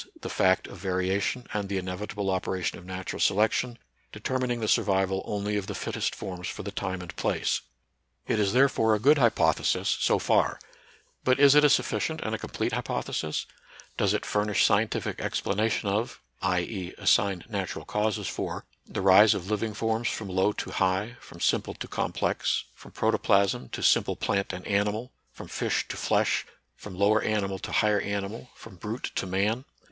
the fact of variation and the inevi table operation of natural selection, determining the survival only of the fittest forms for the time and place. It is therefore a good hypothe NATURAL SCIENCE AND RELIGION. 73 sis, SO far. But is it a suflBcient and a complete hypothesis ? Does it furnish scientific explana tion of {i.e., assign natural causes for) the rise of living forms from low to high, from simple to complex, from protoplasm to simple plant and animal, from fish to flesh, from lower animal to higher animal, from brute to man?